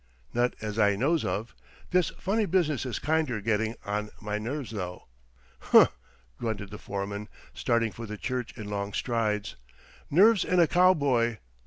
"Not as I knows of. This funny business is kinder getting on my nerves, though." "Humph!" grunted the foreman, starting for the church in long strides. "Nerves in a cowboy!